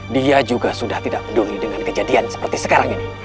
dia juga sudah tidak peduli dengan kejadian seperti sekarang ini